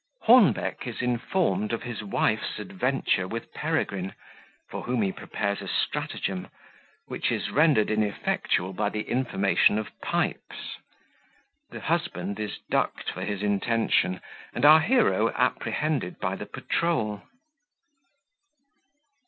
Hornbeck is informed of his Wife's Adventure with Peregrine, for whom he prepares a Stratagem, which is rendered ineffectual by the Information of Pipes The Husband is ducked for his Intention, and our Hero apprehended by the Patrol.